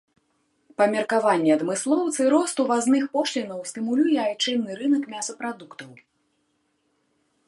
Па меркаванні адмыслоўцы, рост увазных пошлінаў стымулюе айчынны рынак мясапрадуктаў.